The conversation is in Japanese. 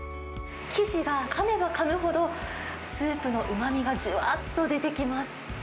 生地が、かめばかむほど、スープのうまみがじわーっと出てきます。